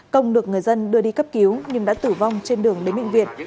công được người dân đưa đi cấp cứu nhưng đã tử vong trên đường đến bệnh viện